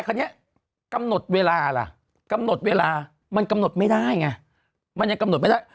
คราวนี้กำหนดเวลาล่ะกำหนดเวลามันกำหนดไม่ได้ไงมันยังกำหนดไม่ได้